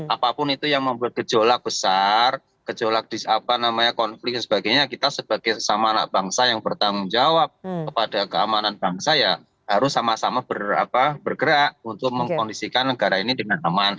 apapun itu yang membuat gejolak besar gejolak konflik dan sebagainya kita sebagai sesama anak bangsa yang bertanggung jawab kepada keamanan bangsa ya harus sama sama bergerak untuk mengkondisikan negara ini dengan aman